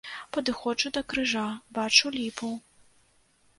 Падыходжу да крыжа, бачу ліпу.